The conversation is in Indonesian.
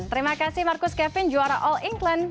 terima kasih marcus kevin juara all england